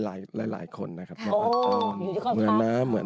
ใครมากระตุ้นทำเป็นตัวเองโชว์อย่างนี้เลย